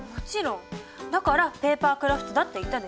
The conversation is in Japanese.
だからペーパークラフトだって言ったでしょ。